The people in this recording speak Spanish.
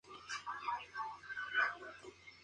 Un vatio es un julio en un segundo.